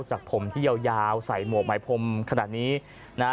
จากผมที่ยาวใส่หมวกหมายผมขนาดนี้นะ